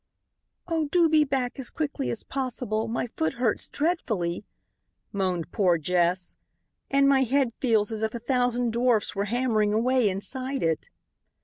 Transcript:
"Oh, do be back as quickly as possible, my foot hurts dreadfully," moaned poor Jess, "and my head feels as if a thousand dwarfs were hammering away inside it."